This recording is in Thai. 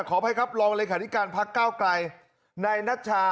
ขออภัยครับรองเรขนิการภาคเกล้าไกล